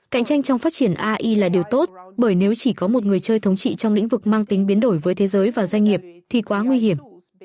cạnh tranh trong phát triển ai là điều tốt bởi nếu chỉ có một người chơi thống trị trong lĩnh vực mang tính biến đổi với thế giới và doanh nghiệp thì quá nguy hiểm